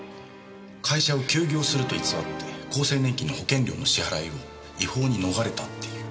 会社を休業すると偽って厚生年金の保険料の支払いを違法に逃れたっていう。